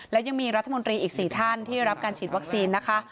และยังมีรัฐมนตรีอีก๔ท่านที่รับการฉีดวัคซีนนะคะ